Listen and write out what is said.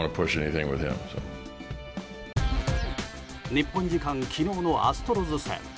日本時間昨日のアストロズ戦。